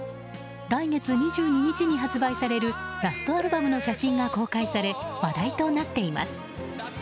来月２２日に発売されるラストアルバムの写真が公開され話題となっています。